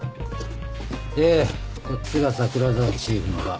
でこっちが桜沢チーフのだ。